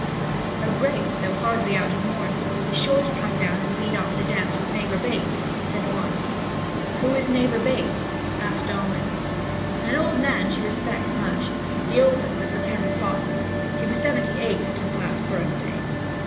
'Her Grace, though hardly out of mourning, will be sure to come down and lead off the dance with neighbour Bates,' said one. 'Who is neighbour Bates?' asked Alwyn. 'An old man she respects much the oldest of her tenant farmers. He was seventy eight his last birthday.'